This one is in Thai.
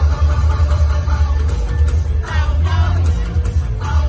มันเป็นเมื่อไหร่แล้ว